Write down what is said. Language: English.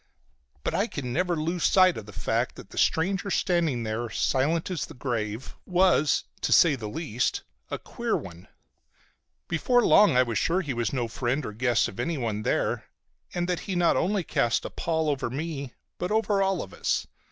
But I could never lose sight of the fact that the stranger standing there, silent as the grave, was, to say the least, a queer one. Before long I was sure he was no friend or guest of anyone there, and that he not only cast a pall over me but over all of us.